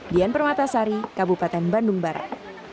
dian permatasari kabupaten bandung barat